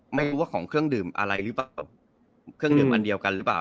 ไม่รู้ว่าของเครื่องดื่มอะไรหรือเปล่าเครื่องดื่มอันเดียวกันหรือเปล่า